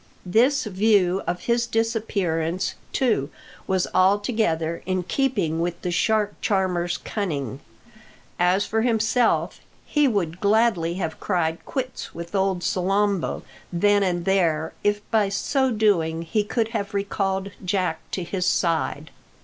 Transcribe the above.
This view of his disappearance, too, was altogether in keeping with the shark charmer's cunning. As for himself, he would gladly have cried quits with old Salambo then and there, if by so doing he could have recalled Jack to his side.